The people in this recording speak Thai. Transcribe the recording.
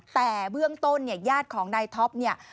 แต่เรื่องต้นญาติของนายท็อปนี่